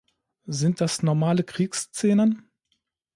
Sind das normale Kriegsszenen?